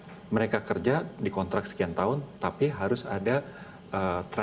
nah mereka kerja di kontrak sekian tahun tapi mereka masih di singapura